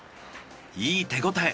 いい手応え。